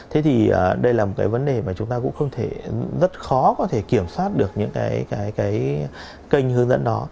thế thì đây là một cái vấn đề mà chúng ta cũng không thể rất khó có thể kiểm soát được những cái kênh hướng dẫn đó